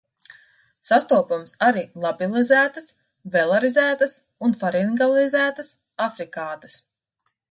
Sastopamas arī labializētas, velarizētas un faringalizētas afrikātas.